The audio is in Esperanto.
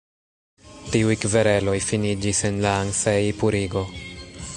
Tiuj kvereloj finiĝis en la Ansei-purigo.